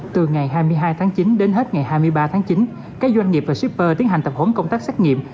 từ ngày hai mươi hai tháng chín đến hết ngày hai mươi ba tháng chín các doanh nghiệp và shipper tiến hành tập huấn công tác xét nghiệm